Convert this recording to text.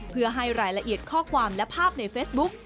เพื่อให้รายละเอียดข้อความและภาพในเฟซบุ๊ก